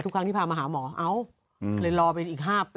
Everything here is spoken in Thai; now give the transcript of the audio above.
ทุกครั้งที่พามาหาหมอเอ้าเลยรอเป็นอีก๕ปี